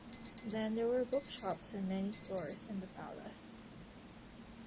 Then there were bookshops and many stores in the palace.